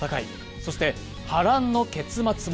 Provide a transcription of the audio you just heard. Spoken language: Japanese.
そして波乱の結末も。